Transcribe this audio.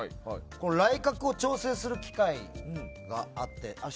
ライ角を調整する機械があって。